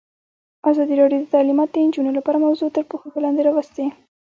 ازادي راډیو د تعلیمات د نجونو لپاره موضوع تر پوښښ لاندې راوستې.